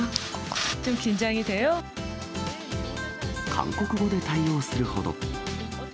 韓国語で対応するほど。